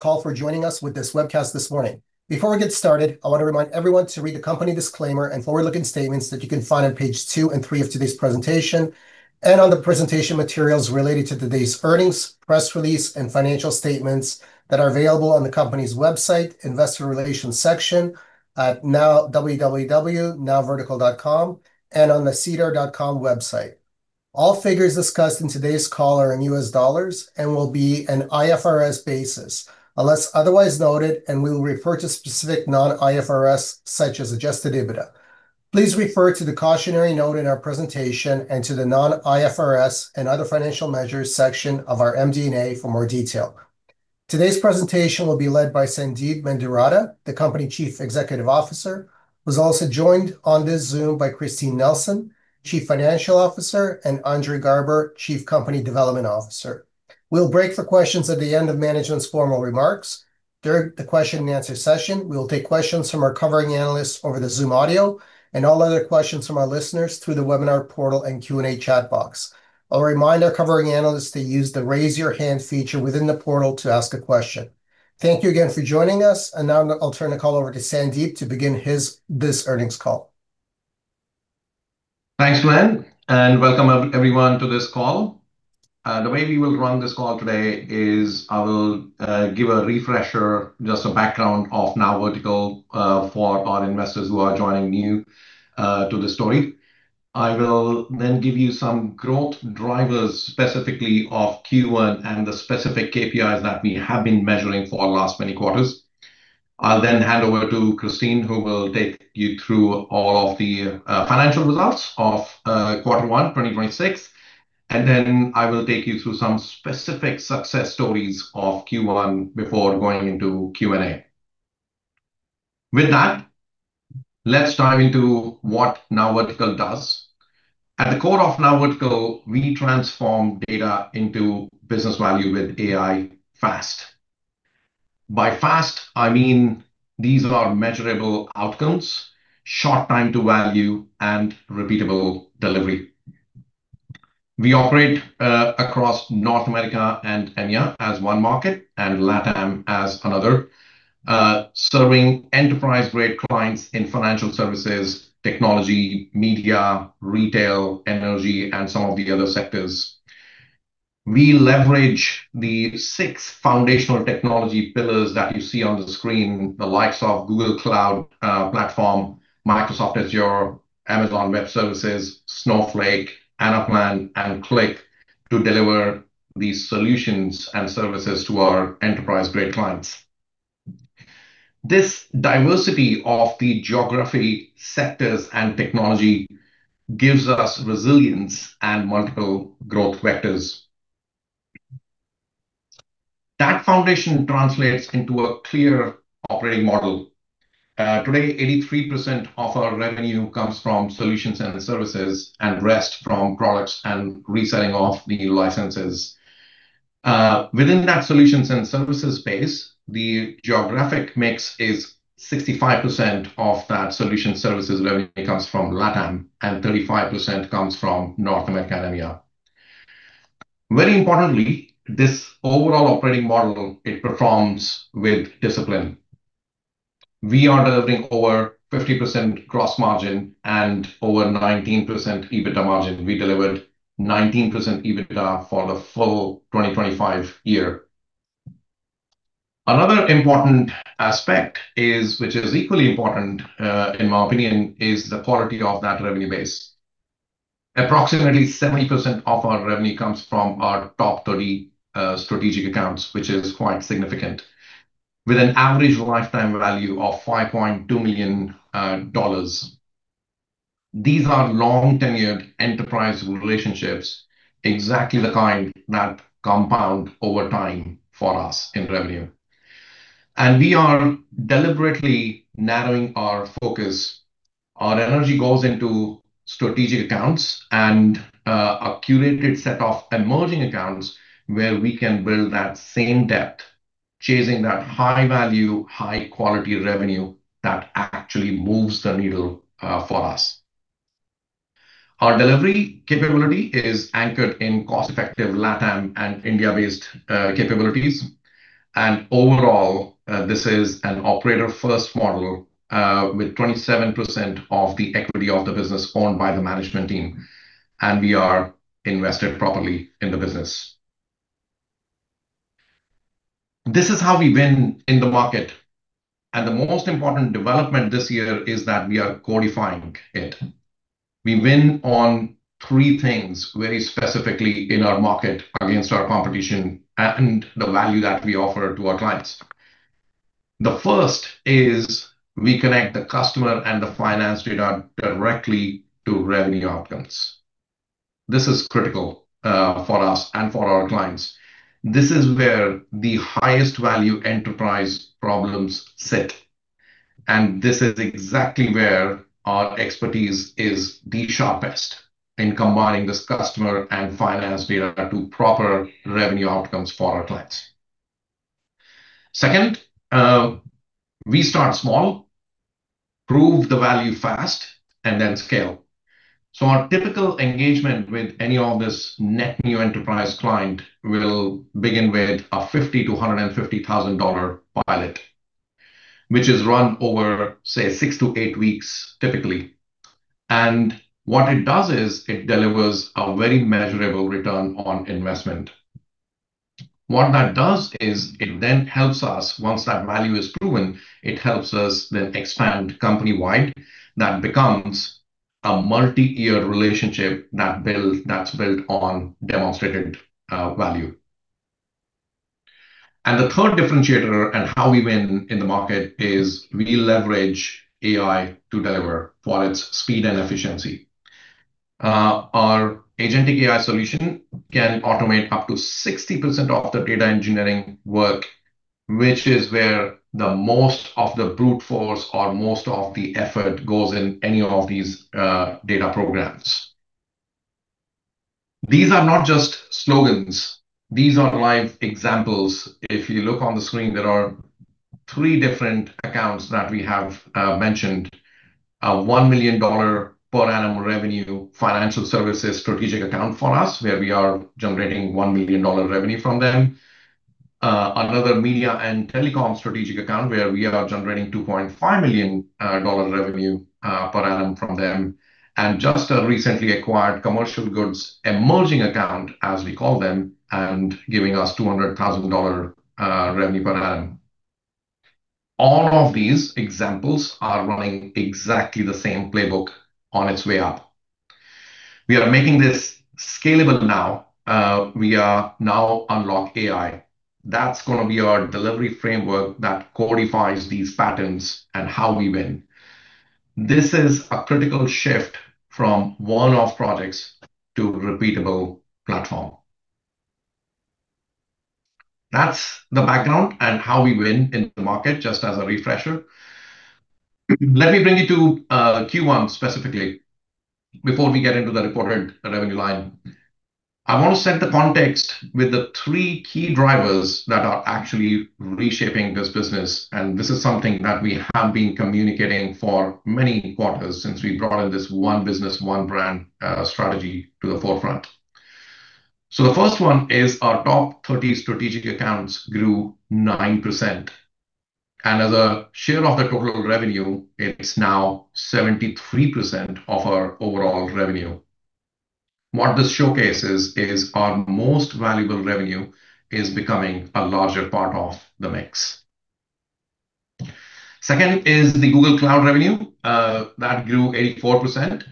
call for joining us with this webcast this morning. Before we get started, I want to remind everyone to read the company disclaimer and forward-looking statements that you can find on page two and three of today's presentation, and on the presentation materials related to today's earnings, press release, and financial statements that are available on the company's website investor relations section at www.nowvertical.com and on the sedar.com website. All figures discussed in today's call are in US dollars and will be an IFRS basis unless otherwise noted. We will refer to specific non-IFRS such as adjusted EBITDA. Please refer to the cautionary note in our presentation and to the non-IFRS and other financial measures section of our MD&A for more detail. Today's presentation will be led by Sandeep Mendiratta, the company Chief Executive Officer, who's also joined on this Zoom by Christine Nelson, Chief Financial Officer, and Andre Garber, Chief Development Officer. We'll break for questions at the end of management's formal remarks. During the question and answer session, we will take questions from our covering analysts over the Zoom audio and all other questions from our listeners through the webinar portal and Q&A chat box. I'll remind our covering analysts to use the Raise Your Hand feature within the portal to ask a question. Thank you again for joining us. Now I'll turn the call over to Sandeep to begin this earnings call. Thanks, Glenn. Welcome, everyone, to this call. The way we will run this call today is I will give a refresher, just a background of NowVertical, for our investors who are joining new to the story. I will give you some growth drivers, specifically of Q1 and the specific KPIs that we have been measuring for the last many quarters. I'll hand over to Christine, who will take you through all of the financial results of quarter one 2026. I will take you through some specific success stories of Q1 before going into Q&A. With that, let's dive into what NowVertical does. At the core of NowVertical, we transform data into business value with AI fast. By fast, I mean these are measurable outcomes, short time to value, repeatable delivery. We operate across North America and EMEA as one market and LATAM as another, serving enterprise-grade clients in financial services, technology, media, retail, energy, and some of the other sectors. We leverage the six foundational technology pillars that you see on the screen, the likes of Google Cloud Platform, Microsoft Azure, Amazon Web Services, Snowflake, Anaplan, and Qlik, to deliver these solutions and services to our enterprise-grade clients. This diversity of the geography sectors and technology gives us resilience and multiple growth vectors. That foundation translates into a clear operating model. Today, 83% of our revenue comes from solutions and services, and rest from products and reselling of the licenses. Within that solutions and services space, the geographic mix is 65% of that solution services revenue comes from LATAM, and 35% comes from North America and EMEA. Very importantly, this overall operating model, it performs with discipline. We are delivering over 50% gross margin and over 19% EBITDA margin. We delivered 19% EBITDA for the full 2025 year. Another important aspect is, which is equally important, in my opinion, is the quality of that revenue base. Approximately 70% of our revenue comes from our top 30 strategic accounts, which is quite significant. With an average lifetime value of $5.2 million. These are long-tenured enterprise relationships, exactly the kind that compound over time for us in revenue. We are deliberately narrowing our focus. Our energy goes into strategic accounts and a curated set of emerging accounts where we can build that same depth, chasing that high value, high quality revenue that actually moves the needle for us. Our delivery capability is anchored in cost-effective LATAM and India-based capabilities. Overall, this is an operator-first model, with 27% of the equity of the business owned by the management team, and we are invested properly in the business. This is how we win in the market. The most important development this year is that we are codifying it. We win on three things very specifically in our market against our competition and the value that we offer to our clients. The first is we connect the customer and the finance data directly to revenue outcomes. This is critical for us and for our clients. This is where the highest value enterprise problems sit. This is exactly where our expertise is the sharpest in combining this customer and finance data to proper revenue outcomes for our clients. Second, we start small, prove the value fast, and then scale. Our typical engagement with any of this net new enterprise client will begin with a $50,000 to $150,000 pilot, which is run over, say, six to eight weeks typically. What it does is it delivers a very measurable ROI. What that does is it then helps us, once that value is proven, it helps us then expand company-wide. That becomes a multi-year relationship that's built on demonstrated value. The third differentiator and how we win in the market is we leverage AI to deliver for its speed and efficiency. Our agentic AI solution can automate up to 60% of the data engineering work, which is where the most of the brute force or most of the effort goes in any of these data programs. These are not just slogans. These are live examples. If you look on the screen, there are three different accounts that we have mentioned. A $1 million per annum revenue financial services strategic account for us, where we are generating $1 million revenue from them. Another media and telecom strategic account where we are generating $2.5 million revenue per annum from them. Just a recently acquired commercial goods emerging account, as we call them, and giving us $200,000 revenue per annum. All of these examples are running exactly the same playbook on its way up. We are making this scalable now. We are NowUnlock AI. That's going to be our delivery framework that codifies these patterns and how we win. This is a critical shift from one-off products to repeatable platform. That's the background and how we win in the market, just as a refresher. Let me bring you to Q1 specifically before we get into the reported revenue line. I want to set the context with the three key drivers that are actually reshaping this business, and this is something that we have been communicating for many quarters since we brought in this one business, one brand strategy to the forefront. The first one is our top 30 strategic accounts grew 9%. As a share of the total revenue, it's now 73% of our overall revenue. What this showcases is our most valuable revenue is becoming a larger part of the mix. Second is the Google Cloud revenue. That grew 84%.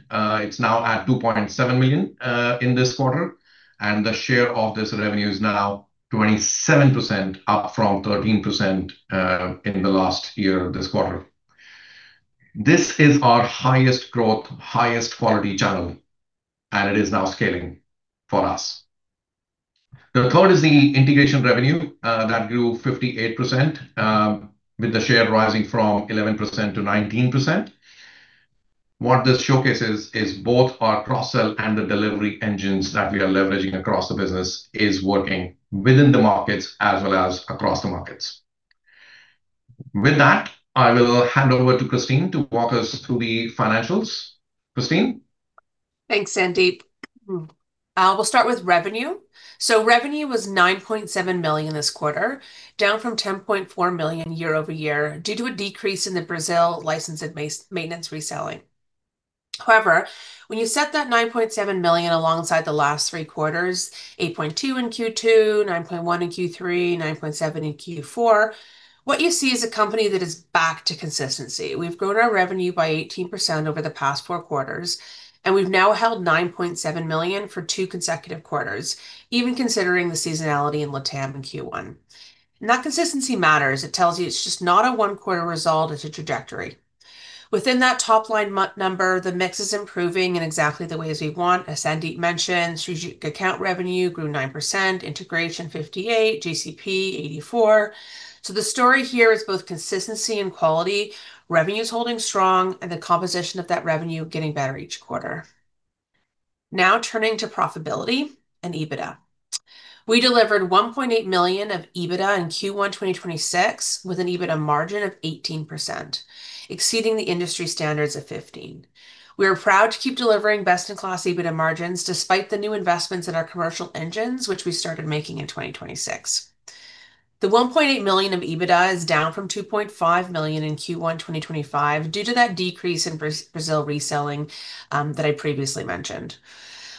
It's now at $2.7 million in this quarter, and the share of this revenue is now 27%, up from 13% in the last year this quarter. This is our highest growth, highest quality channel, and it is now scaling for us. The third is the integration revenue. That grew 58%, with the share rising from 11% to 19%. What this showcases is both our cross-sell and the delivery engines that we are leveraging across the business is working within the markets as well as across the markets. With that, I will hand over to Christine to walk us through the financials. Christine? Thanks, Sandeep. We'll start with revenue. Revenue was $9.7 million this quarter, down from $10.4 million year-over-year due to a decrease in the Brazil license and maintenance reselling. However, when you set that $9.7 million alongside the last three quarters, $8.2 in Q2, $9.1 in Q3, $9.7 in Q4, what you see is a company that is back to consistency. We've grown our revenue by 18% over the past four quarters, and we've now held $9.7 million for two consecutive quarters, even considering the seasonality in LATAM in Q1. That consistency matters. It tells you it's just not a one-quarter result, it's a trajectory. Within that top-line number, the mix is improving in exactly the ways we want. As Sandeep mentioned, strategic account revenue grew 9%, integration 58%, GCP 84%. The story here is both consistency and quality. Revenue is holding strong, and the composition of that revenue getting better each quarter. Now turning to profitability and EBITDA. We delivered $1.8 million of EBITDA in Q1 2026, with an EBITDA margin of 18%, exceeding the industry standards of 15%. We are proud to keep delivering best-in-class EBITDA margins despite the new investments in our commercial engines, which we started making in 2026. The $1.8 million of EBITDA is down from $2.5 million in Q1 2025 due to that decrease in Brazil reselling that I previously mentioned.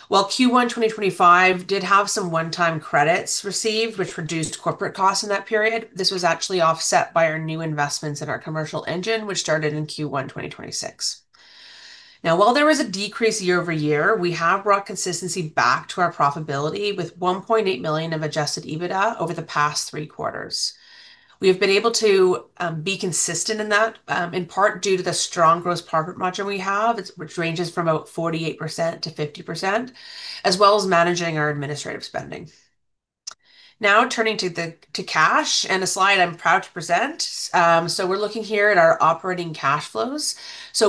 While Q1 2025 did have some one-time credits received, which reduced corporate costs in that period, this was actually offset by our new investments in our commercial engine, which started in Q1 2026. Now, while there was a decrease year-over-year, we have brought consistency back to our profitability with $1.8 million of adjusted EBITDA over the past three quarters. We have been able to be consistent in that, in part due to the strong gross profit margin we have, which ranges from about 48%-50%, as well as managing our administrative spending. Now turning to cash, and a slide I'm proud to present. We're looking here at our operating cash flows.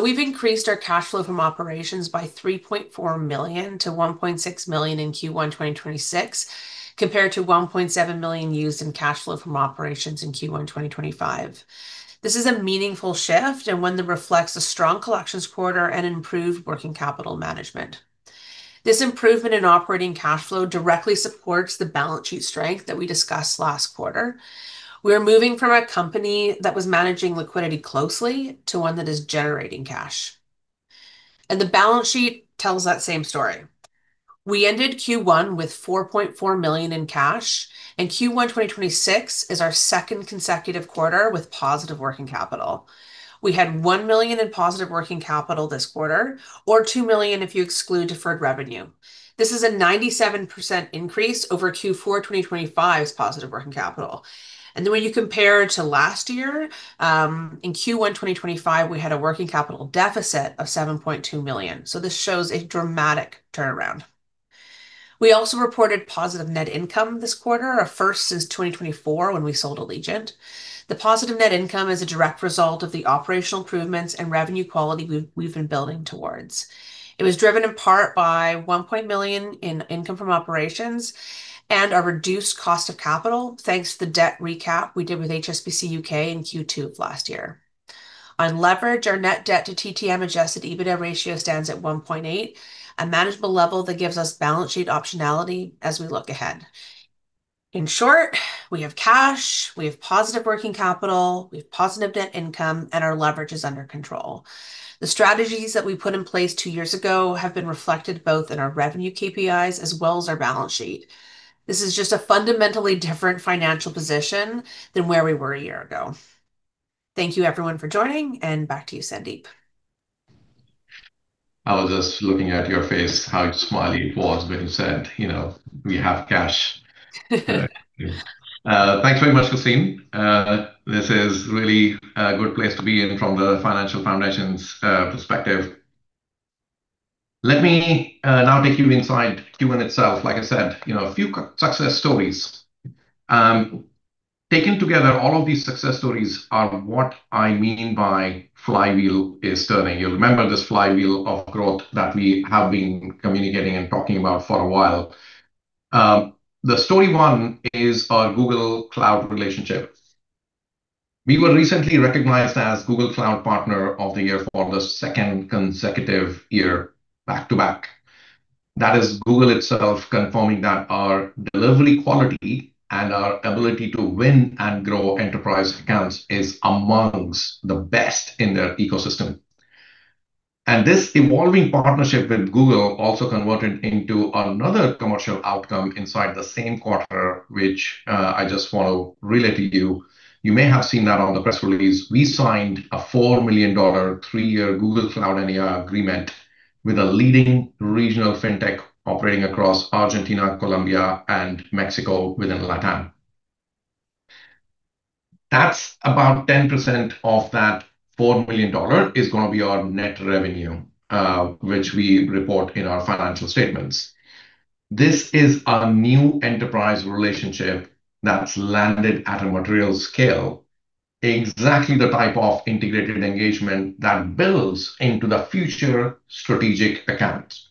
We've increased our cash flow from operations by $3.4 million to $1.6 million in Q1 2026, compared to $1.7 million used in cash flow from operations in Q1 2025. This is a meaningful shift and one that reflects a strong collections quarter and improved working capital management. This improvement in operating cash flow directly supports the balance sheet strength that we discussed last quarter. We are moving from a company that was managing liquidity closely to one that is generating cash. The balance sheet tells that same story. We ended Q1 with $4.4 million in cash, and Q1 2026 is our second consecutive quarter with positive working capital. We had $1 million in positive working capital this quarter, or $2 million if you exclude deferred revenue. This is a 97% increase over Q4 2025's positive working capital. When you compare to last year, in Q1 2025, we had a working capital deficit of $7.2 million, so this shows a dramatic turnaround. We also reported positive net income this quarter, our first since 2024, when we sold Allegient Defense. The positive net income is a direct result of the operational improvements and revenue quality we've been building towards. It was driven in part by $1.1 million in income from operations and a reduced cost of capital, thanks to the debt recap we did with HSBC U.K. in Q2 of last year. On leverage, our net debt to TTM adjusted EBITDA ratio stands at 1.8, a manageable level that gives us balance sheet optionality as we look ahead. In short, we have cash, we have positive working capital, we have positive net income, and our leverage is under control. The strategies that we put in place two years ago have been reflected both in our revenue KPIs as well as our balance sheet. This is just a fundamentally different financial position than where we were a year ago. Thank you, everyone, for joining, and back to you, Sandeep. I was just looking at your face, how smiley it was when you said, we have cash. Thanks very much, Christine. This is really a good place to be in from the financial foundations perspective. Let me now take you inside Q1 itself. Like I said, a few success stories. Taken together, all of these success stories are what I mean by flywheel is turning. You'll remember this flywheel of growth that we have been communicating and talking about for a while. The story one is our Google Cloud relationship. We were recently recognized as Google Cloud Partner of the Year for the second consecutive year back to back. That is Google itself confirming that our delivery quality and our ability to win and grow enterprise accounts is amongst the best in their ecosystem. This evolving partnership with Google also converted into another commercial outcome inside the same quarter, which I just want to relate to you. You may have seen that on the press release. We signed a $4 million three-year Google Cloud EA agreement with a leading regional fintech operating across Argentina, Colombia, and Mexico within LATAM. About 10% of that $4 million is going to be our net revenue, which we report in our financial statements. This is a new enterprise relationship that's landed at a material scale, exactly the type of integrated engagement that builds into the future strategic accounts.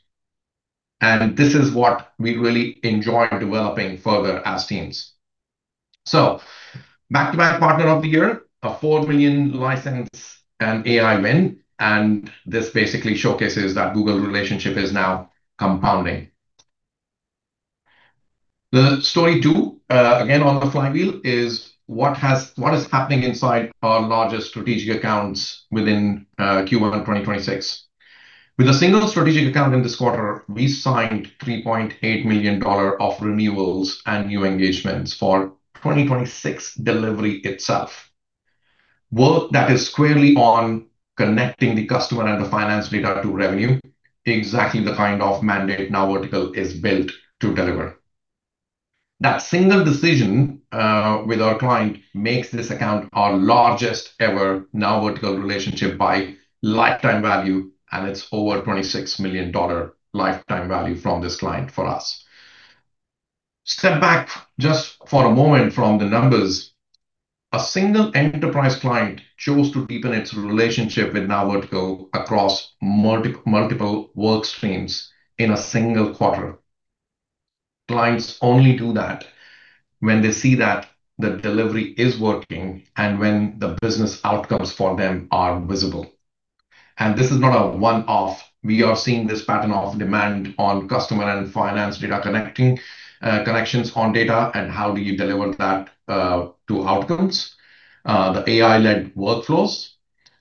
This is what we really enjoy developing further as teams. Back-to-back Partner of the Year, a $4 million license and AI win. This basically showcases that Google relationship is now compounding. The story two, again, on the flywheel, is what is happening inside our largest strategic accounts within Q1 2026. With a single strategic account in this quarter, we signed $3.8 million of renewals and new engagements for 2026 delivery itself. Work that is squarely on connecting the customer and the finance data to revenue, exactly the kind of mandate NowVertical is built to deliver. That single decision with our client makes this account our largest ever NowVertical relationship by lifetime value, and it's over $26 million lifetime value from this client for us. Step back just for a moment from the numbers. A single enterprise client chose to deepen its relationship with NowVertical across multiple work streams in a single quarter. Clients only do that when they see that the delivery is working and when the business outcomes for them are visible. This is not a one-off. We are seeing this pattern of demand on customer and finance data connections on data and how do you deliver that to outcomes, the AI-led workflows,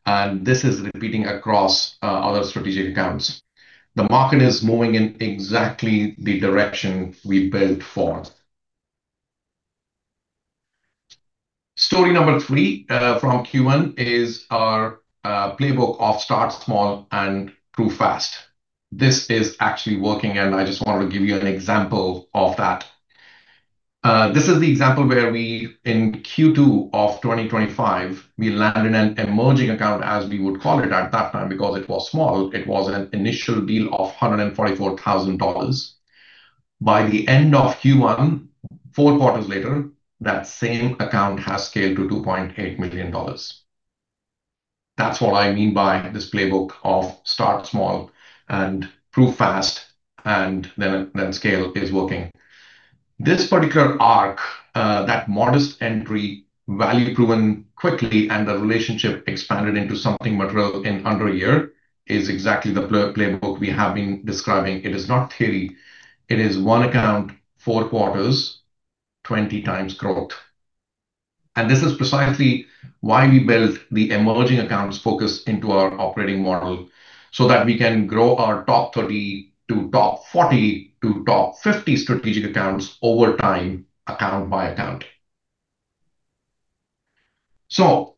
and this is repeating across other strategic accounts. The market is moving in exactly the direction we built for. Story number three from Q1 is our playbook of start small and prove fast. This is actually working, and I just wanted to give you an example of that. This is the example where in Q2 2025, we landed an emerging account, as we would call it at that time, because it was small. It was an initial deal of $144,000. By the end of Q1, four quarters later, that same account has scaled to $2.8 million. That's what I mean by this playbook of start small and prove fast and then scale is working. This particular arc, that modest entry, value proven quickly, and the relationship expanded into something material in under a year, is exactly the playbook we have been describing. It is not theory. It is one account, four quarters, 20x growth. This is precisely why we built the emerging accounts focus into our operating model, so that we can grow our top 30 to top 40 to top 50 strategic accounts over time, account by account.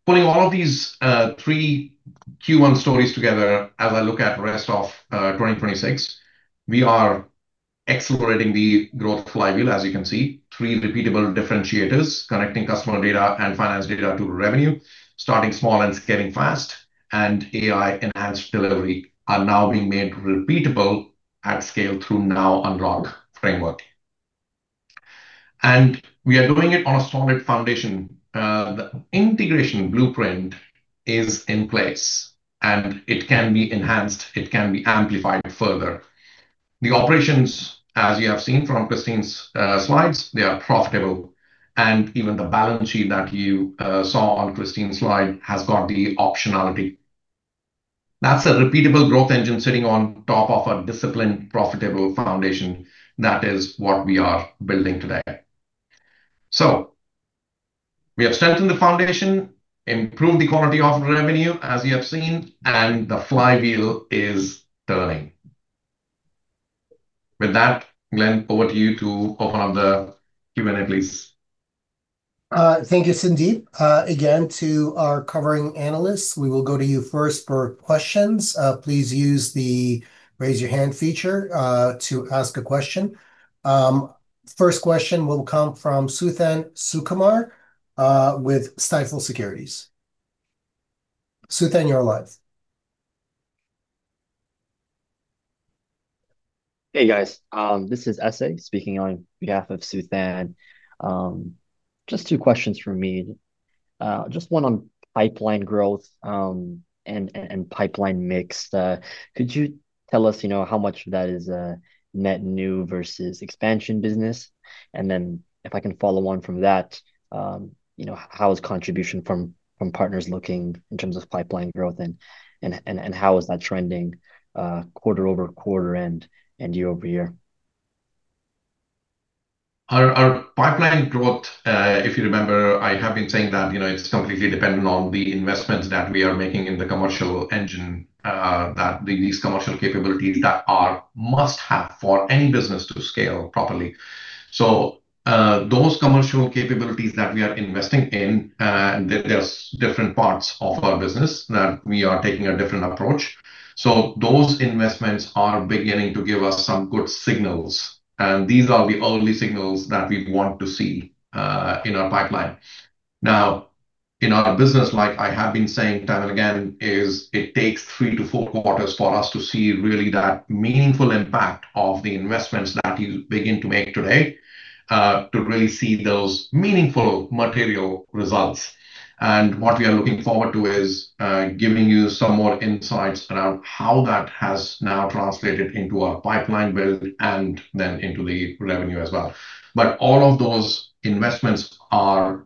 Putting all of these three Q1 stories together as I look at rest of 2026, we are accelerating the growth flywheel, as you can see. Three repeatable differentiators, connecting customer data and finance data to revenue, starting small and scaling fast, and AI-enhanced delivery are now being made repeatable at scale through NowUnlock framework. We are doing it on a solid foundation. The integration blueprint is in place, and it can be enhanced, it can be amplified further. The operations, as you have seen from Christine's slides, they are profitable, and even the balance sheet that you saw on Christine's slide has got the optionality. That's a repeatable growth engine sitting on top of a disciplined, profitable foundation. That is what we are building today. We have strengthened the foundation, improved the quality of revenue, as you have seen, and the flywheel is turning. With that, Glenn, over to you to open up the Q&A, please. Thank you, Sandeep. To our covering analysts, we will go to you first for questions. Please use the Raise Your Hand feature to ask a question. First question will come from Suthan Sukumar, with Stifel Securities. Suthan, you're live. Hey, guys. This is Essey speaking on behalf of Suthan. Just two questions from me. Just one on pipeline growth, and pipeline mix. Could you tell us how much of that is net new versus expansion business? If I can follow on from that, how is contribution from partners looking in terms of pipeline growth and how is that trending, quarter-over-quarter and year-over-year? Our pipeline growth, if you remember, I have been saying that it's completely dependent on the investments that we are making in the commercial engine, these commercial capabilities that are must-have for any business to scale properly. Those commercial capabilities that we are investing in, there's different parts of our business that we are taking a different approach. Those investments are beginning to give us some good signals, and these are the early signals that we want to see, in our pipeline. In our business, like I have been saying time and again, it takes three to four quarters for us to see really that meaningful impact of the investments that you begin to make today, to really see those meaningful material results. What we are looking forward to is giving you some more insights around how that has now translated into our pipeline build and then into the revenue as well. All of those investments are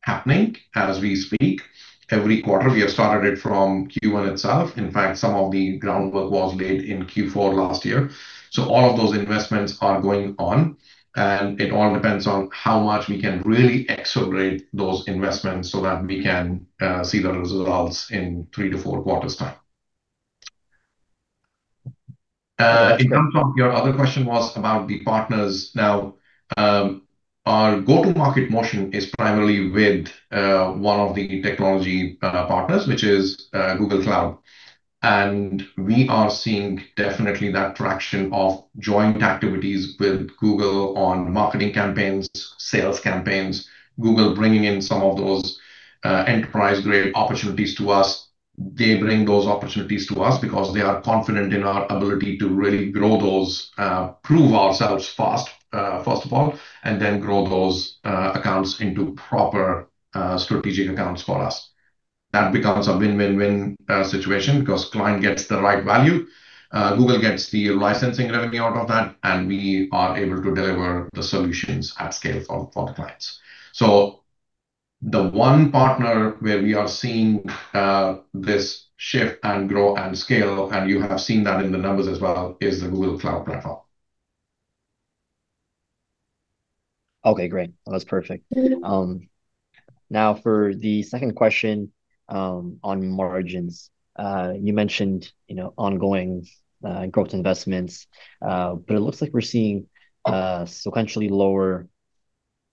happening as we speak every quarter. We have started it from Q1 itself. In fact, some of the groundwork was laid in Q4 last year. All of those investments are going on, and it all depends on how much we can really accelerate those investments so that we can see the results in three to four quarters time. In terms of your other question was about the partners. Our go-to-market motion is primarily with one of the technology partners, which is Google Cloud. We are seeing definitely that traction of joint activities with Google on marketing campaigns, sales campaigns, Google bringing in some of those enterprise-grade opportunities to us. They bring those opportunities to us because they are confident in our ability to really grow those, prove ourselves first of all, and then grow those accounts into proper strategic accounts for us. That becomes a win-win-win situation because client gets the right value, Google gets the licensing revenue out of that, and we are able to deliver the solutions at scale for the clients. The one partner where we are seeing this shift and grow and scale, and you have seen that in the numbers as well, is the Google Cloud Platform. Okay, great. That's perfect. For the second question, on margins. You mentioned ongoing growth investments. It looks like we're seeing sequentially lower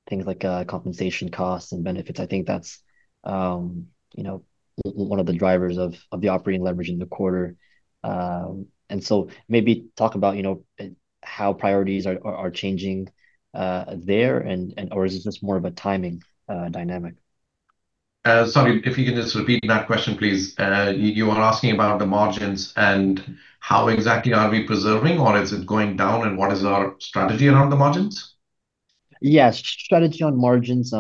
things like compensation costs and benefits. I think that's one of the drivers of the operating leverage in the quarter. Maybe talk about how priorities are changing, there, or is this just more of a timing dynamic? Sorry, if you can just repeat that question, please. You are asking about the margins and how exactly are we preserving or is it going down, and what is our strategy around the margins? Yeah, strategy on margins.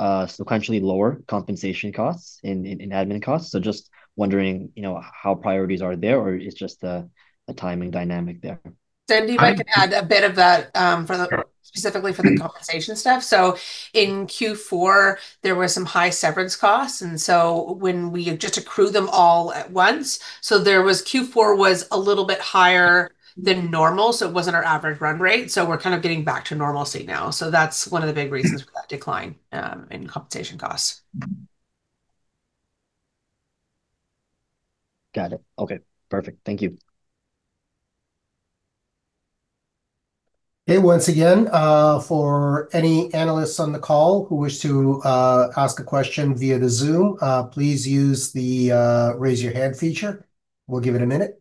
Sequentially lower compensation costs and admin costs. Just wondering, how priorities are there, or it's just a timing dynamic there? Sandeep, if I could add a bit of that specifically for the compensation stuff. In Q4, there were some high severance costs, when we just accrue them all at once. Q4 was a little bit higher than normal, it wasn't our average run rate. We're kind of getting back to normalcy now. That's one of the big reasons for that decline in compensation costs. Got it. Okay, perfect. Thank you. Once again, for any analysts on the call who wish to ask a question via the Zoom, please use the raise your hand feature. We'll give it a minute.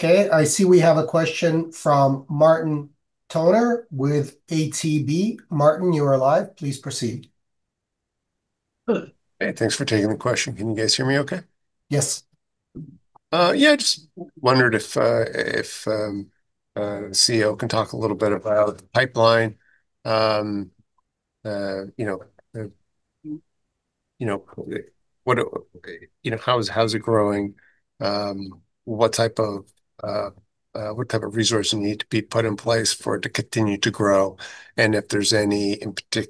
Okay, I see we have a question from Martin Toner with ATB. Martin, you are live. Please proceed. Hey, thanks for taking the question. Can you guys hear me okay? Yes. Yeah, just wondered if CEO can talk a little bit about the pipeline. How's it growing? What type of resource need to be put in place for it to continue to grow? If there's any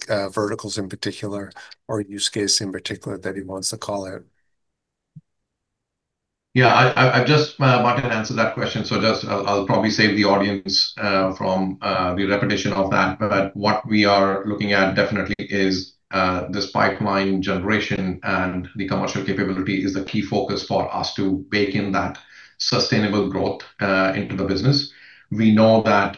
verticals in particular or use case in particular that he wants to call out? Martin answered that question. I'll probably save the audience from the repetition of that. What we are looking at definitely is this pipeline generation and the commercial capability is the key focus for us to bake in that sustainable growth into the business. We know that,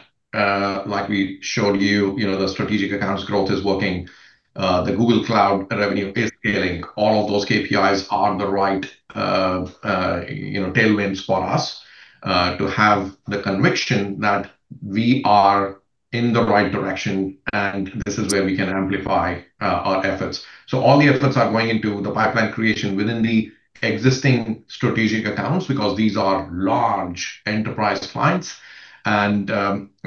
like we showed you, the strategic accounts growth is working. The Google Cloud revenue is scaling. All of those KPIs are the right tailwinds for us, to have the conviction that we are in the right direction, this is where we can amplify our efforts. All the efforts are going into the pipeline creation within the existing strategic accounts, because these are large enterprise clients.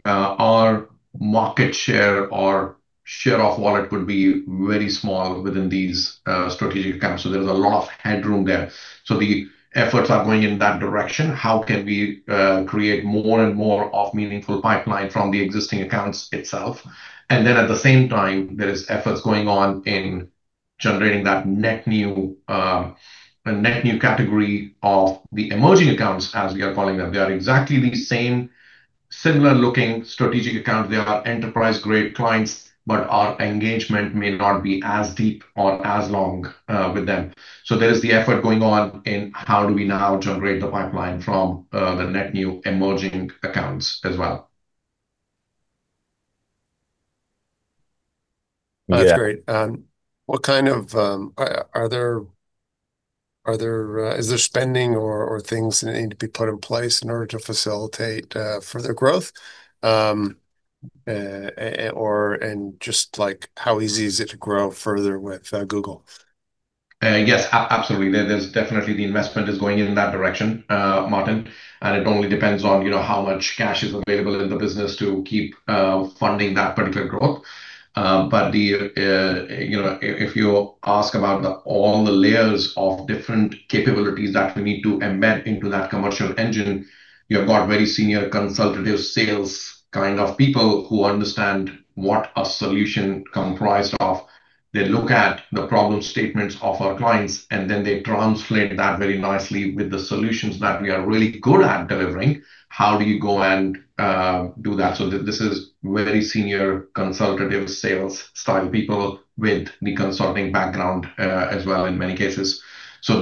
Our market share or share of wallet would be very small within these strategic accounts. There's a lot of headroom there. The efforts are going in that direction. How can we create more and more of meaningful pipeline from the existing accounts itself? At the same time, there is efforts going on in generating that net new category of the emerging accounts, as we are calling them. They are exactly the same similar looking strategic accounts. They are enterprise-grade clients, but our engagement may not be as deep or as long with them. There is the effort going on in how do we now generate the pipeline from the net new emerging accounts as well. That's great. Is there spending or things that need to be put in place in order to facilitate further growth? Just how easy is it to grow further with Google? Yes, absolutely. There's definitely the investment is going in that direction, Martin. It only depends on how much cash is available in the business to keep funding that particular growth. If you ask about all the layers of different capabilities that we need to embed into that commercial engine, you've got very senior consultative sales kind of people who understand what a solution comprised of. They look at the problem statements of our clients, and then they translate that very nicely with the solutions that we are really good at delivering. How do you go and do that? This is very senior consultative sales style people with the consulting background as well in many cases.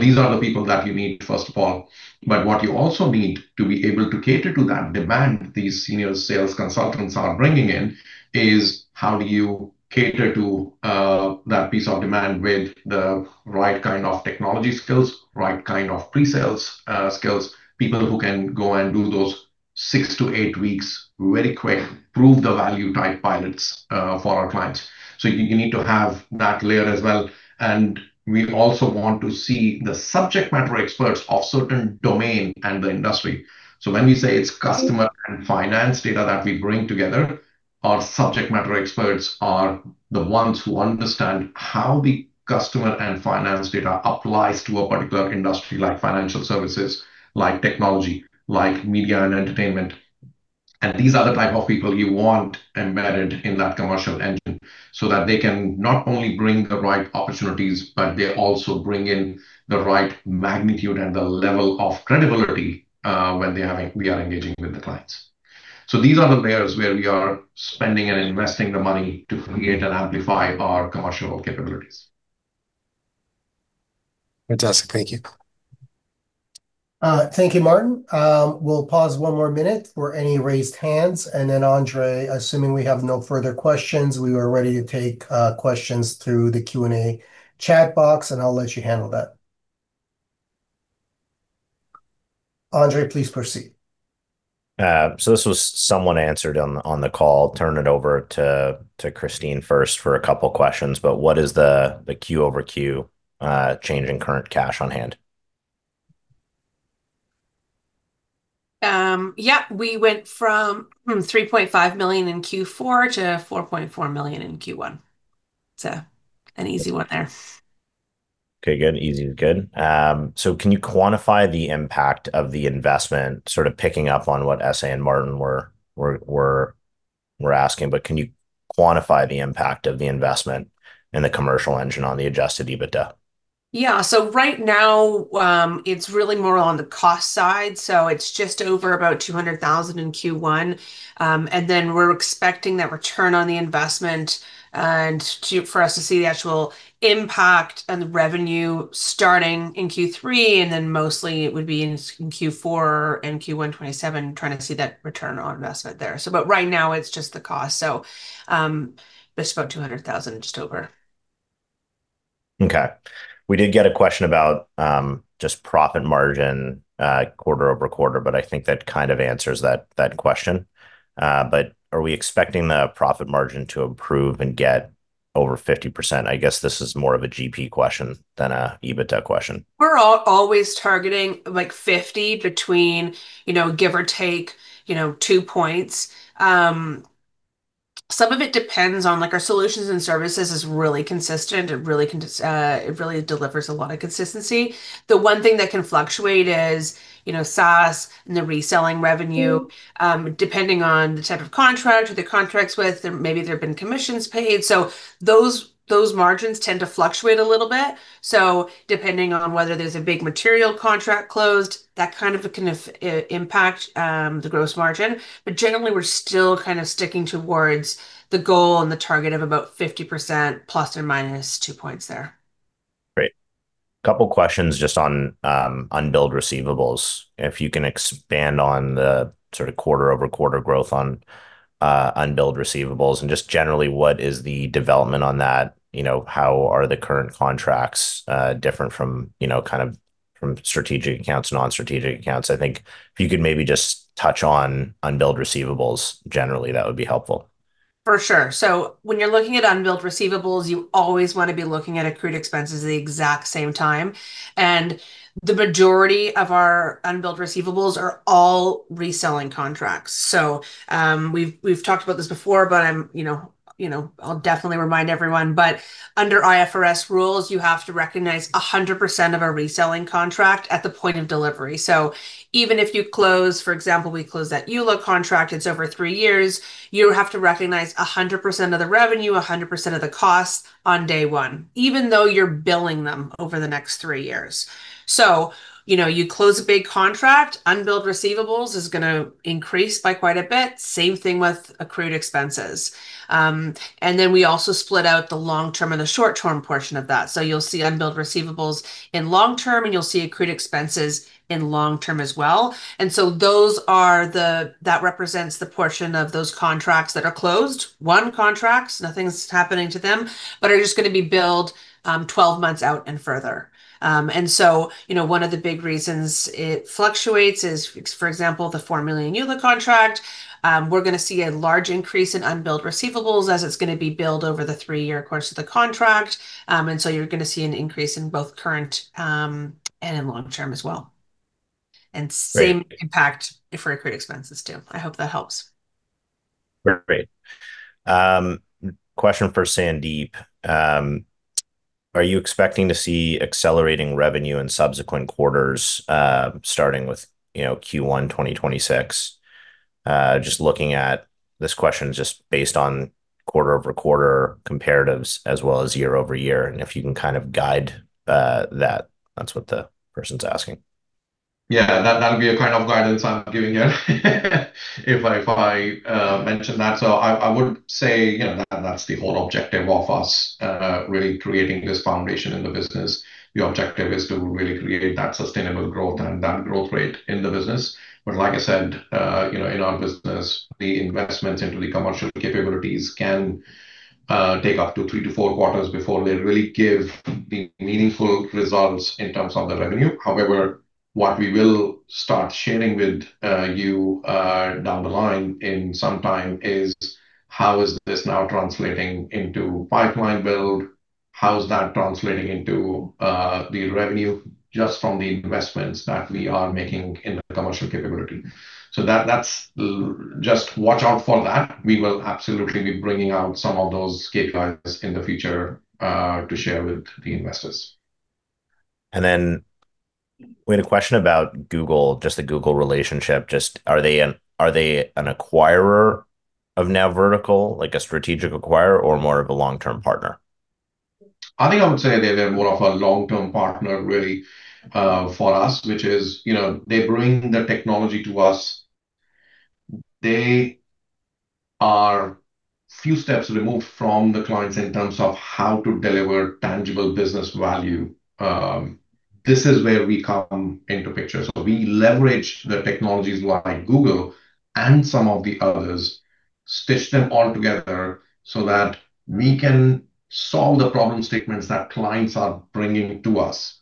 These are the people that you need, first of all. What you also need to be able to cater to that demand these senior sales consultants are bringing in is how do you cater to that piece of demand with the right kind of technology skills, right kind of pre-sales skills, people who can go and do those six to eight weeks very quick, prove the value type pilots for our clients. You need to have that layer as well. We also want to see the subject matter experts of certain domain and the industry. When we say it's customer and finance data that we bring together, our subject matter experts are the ones who understand how the customer and finance data applies to a particular industry, like financial services, like technology, like media and entertainment. These are the type of people you want embedded in that commercial engine, so that they can not only bring the right opportunities, but they also bring in the right magnitude and the level of credibility when we are engaging with the clients. These are the layers where we are spending and investing the money to create and amplify our commercial capabilities. Fantastic. Thank you. Thank you, Martin. We'll pause one more minute for any raised hands. Andre, assuming we have no further questions, we are ready to take questions through the Q&A chat box, and I'll let you handle that. Andre, please proceed. This was someone answered on the call. Turn it over to Christine first for a couple questions, but what is the Q over Q change in current cash on hand? Yeah. We went from $3.5 million in Q4 to $4.4 million in Q1, so an easy one there. Okay, good. Easy is good. Can you quantify the impact of the investment, sort of picking up on what Essey and Martin were asking, but can you quantify the impact of the investment in the commercial engine on the adjusted EBITDA? Right now, it's really more on the cost side. It's just over about $200,000 in Q1. We're expecting that return on the investment and for us to see the actual impact on the revenue starting in Q3, then mostly it would be in Q4 and Q1 2027 trying to see that return on investment there. Right now, it's just the cost, just about $200,000, just over. Okay. We did get a question about just profit margin quarter-over-quarter, I think that kind of answers that question. Are we expecting the profit margin to improve and get over 50%? I guess this is more of a GP question than an EBITDA question. We're always targeting like 50% between give or take two points. Some of it depends on, like our solutions and services is really consistent. It really delivers a lot of consistency. The one thing that can fluctuate is SaaS and the reselling revenue, depending on the type of contract or the contracts with, maybe there have been commissions paid. Those margins tend to fluctuate a little bit. Depending on whether there's a big material contract closed, that kind of can impact the gross margin. Generally, we're still kind of sticking towards the goal and the target of about 50% plus or minus two points there. Great. Couple questions just on unbilled receivables. If you can expand on the sort of quarter-over-quarter growth on unbilled receivables. Just generally, what is the development on that? How are the current contracts different from strategic accounts, non-strategic accounts? I think if you could maybe just touch on unbilled receivables generally, that would be helpful. For sure. When you're looking at unbilled receivables, you always want to be looking at accrued expenses at the exact same time. The majority of our unbilled receivables are all reselling contracts. We've talked about this before, but I'll definitely remind everyone. Under IFRS rules, you have to recognize 100% of a reselling contract at the point of delivery. Even if you close, for example, we close that EULA contract, it's over three years, you have to recognize 100% of the revenue, 100% of the cost on day one, even though you're billing them over the next three years. You close a big contract, unbilled receivables is going to increase by quite a bit. Same thing with accrued expenses. Then we also split out the long term and the short term portion of that. You'll see unbilled receivables in long term, and you'll see accrued expenses in long term as well. That represents the portion of those contracts that are closed. Won contracts, nothing's happening to them, but are just going to be billed 12 months out and further. One of the big reasons it fluctuates is, for example, the $4 million EULA contract. We're going to see a large increase in unbilled receivables as it's going to be billed over the three-year course of the contract. You're going to see an increase in both current, and in long term as well. Great. Same impact for accrued expenses, too. I hope that helps. Great. Question for Sandeep. Are you expecting to see accelerating revenue in subsequent quarters, starting with Q1 2026? Looking at this question based on quarter-over-quarter comparatives as well as year-over-year, if you can kind of guide that. That's what the person's asking. Yeah, that'd be a kind of guidance I'm giving here, if I mention that. I would say that's the whole objective of us really creating this foundation in the business. The objective is to really create that sustainable growth and that growth rate in the business. Like I said, in our business, the investments into the commercial capabilities can take up to three to four quarters before they really give the meaningful results in terms of the revenue. However, what we will start sharing with you down the line in some time is how is this now translating into pipeline build, how is that translating into the revenue just from the investments that we are making in the commercial capability. That's just watch out for that. We will absolutely be bringing out some of those KPIs in the future to share with the investors. We had a question about Google, just the Google relationship. Just are they an acquirer of NowVertical, like a strategic acquirer or more of a long-term partner? I think I would say they're more of a long-term partner, really, for us, which is they bring the technology to us. They are few steps removed from the clients in terms of how to deliver tangible business value. This is where we come into picture. We leverage the technologies like Google and some of the others, stitch them all together so that we can solve the problem statements that clients are bringing to us.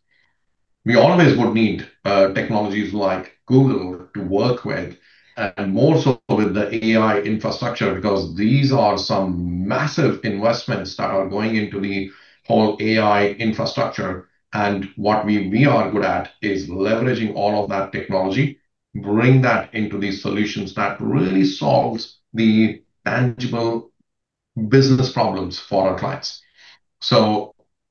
We always would need technologies like Google to work with, and more so with the AI infrastructure, because these are some massive investments that are going into the whole AI infrastructure. What we are good at is leveraging all of that technology, bring that into these solutions that really solves the tangible business problems for our clients.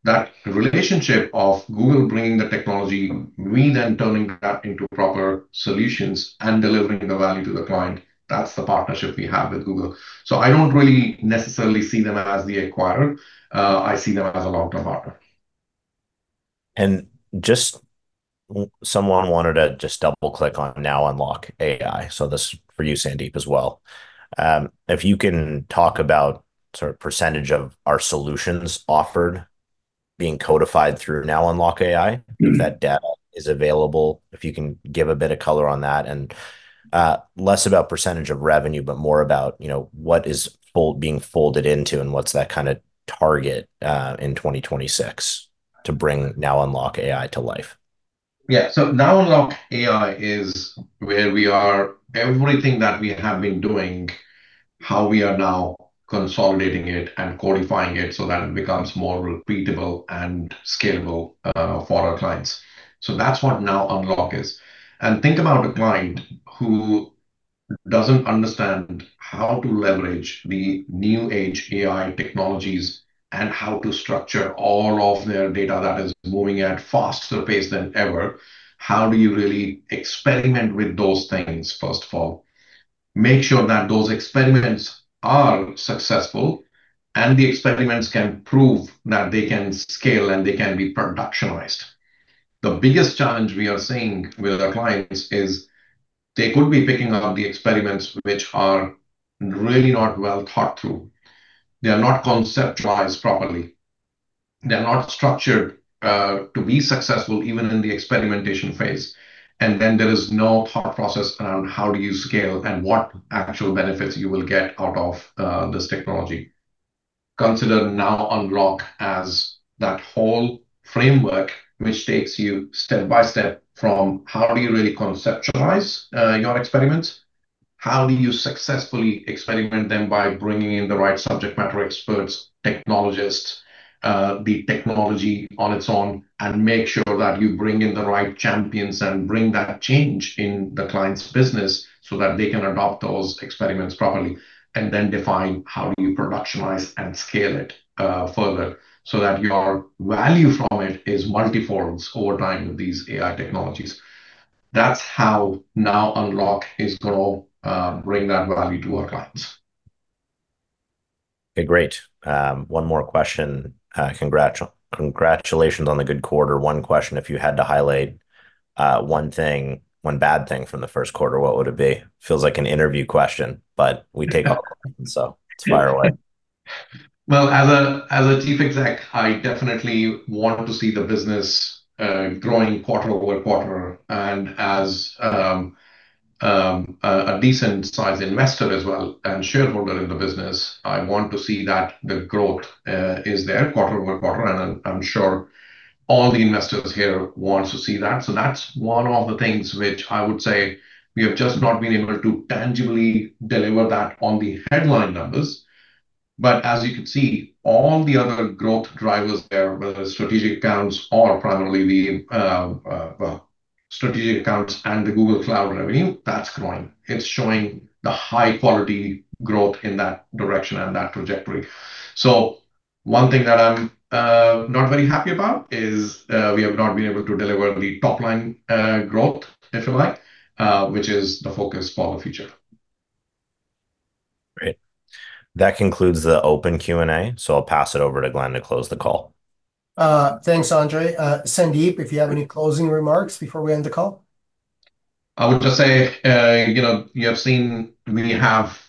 That relationship of Google bringing the technology, we then turning that into proper solutions and delivering the value to the client, that's the partnership we have with Google. I don't really necessarily see them as the acquirer. I see them as a long-term partner. Just someone wanted to just double-click on NowUnlock AI. This is for you, Sandeep, as well. If you can talk about percentage of our solutions offered being codified through NowUnlock AI. If that data is available, if you can give a bit of color on that, and less about percentage of revenue, but more about what is being folded into and what's that target in 2026 to bring NowUnlock AI to life. NowUnlock AI is where we are, everything that we have been doing, how we are now consolidating it and codifying it so that it becomes more repeatable and scalable for our clients. That's what NowUnlock is. Think about a client who doesn't understand how to leverage the new age AI technologies, and how to structure all of their data that is moving at faster pace than ever. How do you really experiment with those things, first of all? Make sure that those experiments are successful, and the experiments can prove that they can scale, and they can be productionized. The biggest challenge we are seeing with our clients is they could be picking up the experiments which are really not well thought through. They are not conceptualized properly. They're not structured to be successful even in the experimentation phase. There is no thought process around how do you scale and what actual benefits you will get out of this technology. Consider NowUnlock as that whole framework which takes you step by step from how do you really conceptualize your experiments, how do you successfully experiment them by bringing in the right subject matter experts, technologists, the technology on its own, and make sure that you bring in the right champions and bring that change in the client's business so that they can adopt those experiments properly, define how do you productionize and scale it further so that your value from it is multi-folds over time with these AI technologies. That's how NowUnlock is going to bring that value to our clients. Okay, great. One more question. Congratulations on the good quarter. One question, if you had to highlight one thing, one bad thing from the first quarter, what would it be? Feels like an interview question, but we take all questions, so fire away. Well, as a Chief Executive, I definitely want to see the business growing quarter-over-quarter. As a decent size investor as well, and shareholder in the business, I want to see that the growth is there quarter-over-quarter, and I'm sure all the investors here want to see that. That's one of the things which I would say we have just not been able to tangibly deliver that on the headline numbers. As you could see, all the other growth drivers there, whether strategic accounts or primarily the strategic accounts and the Google Cloud revenue, that's growing. It's showing the high quality growth in that direction and that trajectory. One thing that I'm not very happy about is we have not been able to deliver the top-line growth, if you like, which is the focus for the future. Great. That concludes the open Q&A, I'll pass it over to Glenn to close the call. Thanks, Andre. Sandeep, if you have any closing remarks before we end the call? I would just say, you have seen we have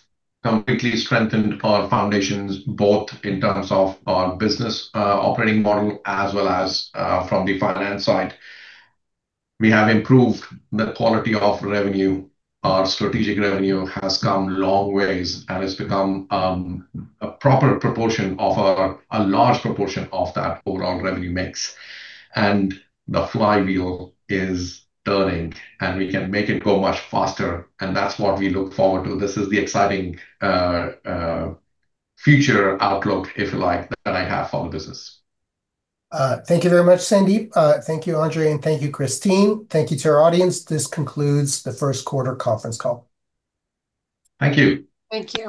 completely strengthened our foundations both in terms of our business operating model as well as from the finance side. We have improved the quality of revenue. Our strategic revenue has come long ways, and it's become a proper proportion of a large proportion of that overall revenue mix. The flywheel is turning, and we can make it go much faster, and that's what we look forward to. This is the exciting future outlook, if you like, that I have for the business. Thank you very much, Sandeep. Thank you, Andre. Thank you, Christine. Thank you to our audience. This concludes the first quarter conference call. Thank you. Thank you.